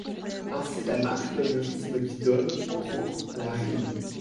Ainsi la marche donne le rythme qui donne, entre autres, la rime.